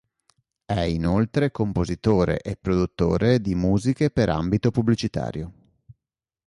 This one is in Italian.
È inoltre compositore e produttore di musiche per ambito pubblicitario.